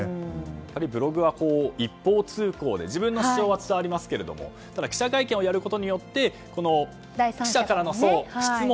やはりブログは一方通行で自分の主張は伝わりますがただ、記者会見をやることで記者からの質問